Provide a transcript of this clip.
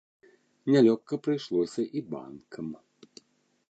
Нялёгка прыйшлося і банкам.